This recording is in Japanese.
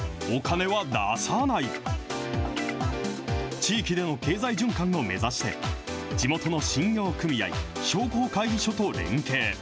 地域での経済循環を目指して、地元の信用組合、商工会議所と連携。